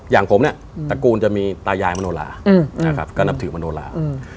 อย่างผมตระกูลจะมีตายายมโนรากระนับถือมโนรา